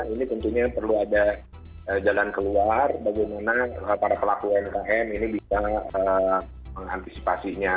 ini tentunya perlu ada jalan keluar bagaimana para pelaku umkm ini bisa mengantisipasinya